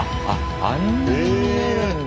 あんなに見えるんだ。